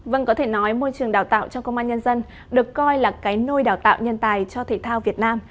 vâng có thể nói môi trường đào tạo trong công an nhân dân được coi là cái nôi đào tạo nhân tài cho thể thao việt nam